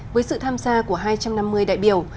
với sự tham gia của hai trăm năm mươi đại biểu